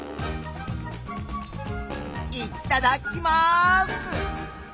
いっただっきます！